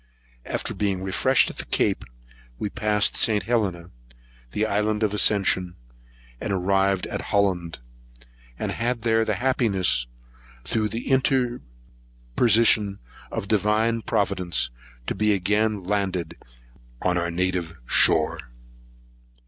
After being refreshed at the Cape, we passed St. Helena, the island of Ascension, and arrived at Holland; and had the happiness, through the interposition of divine Providence, to be again landed on our native shore.